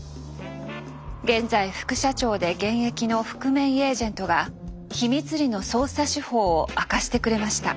現在副社長で現役の覆面エージェントが秘密裏の捜査手法を明かしてくれました。